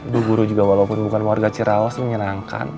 bu guru juga walaupun bukan warga cirawas menyenangkan